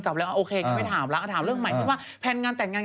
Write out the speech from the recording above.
จะถามเรื่องใหม่ว่าแผนงานแต่งงาน